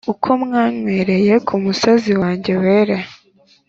Uko mwanywereye ku musozi wanjye wera